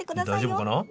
大丈夫かな？